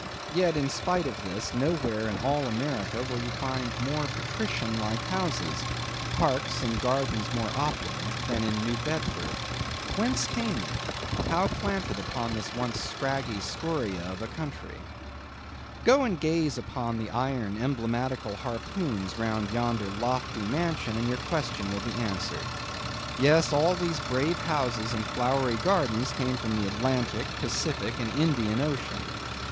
Yet, in spite of this, nowhere in all America will you find more patrician like houses; parks and gardens more opulent, than in New Bedford. Whence came they? how planted upon this once scraggy scoria of a country? Go and gaze upon the iron emblematical harpoons round yonder lofty mansion, and your question will be answered. Yes; all these brave houses and flowery gardens came from the Atlantic, Pacific, and Indian oceans.